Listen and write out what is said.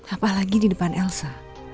apalagi di depan elsa